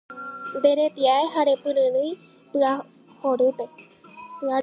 Nderetia'e ha repyryrỹi py'arorýpe